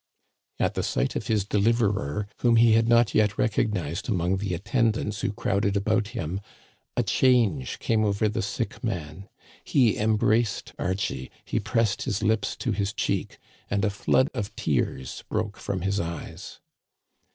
At the sight of his deliverer, whom he had not yet recognized among the attendants who crowded about him, a change came over the sick man. He embraced Archie, he pressed his lips to his cheek, and a flood of tears broke from his eyes.